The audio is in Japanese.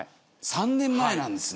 ３年前なんですね！